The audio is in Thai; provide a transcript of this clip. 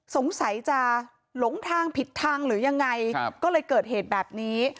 สงสัยจะหลงทางผิดทางหรือยังไงก็เลยเกิดเหตุแบบนี้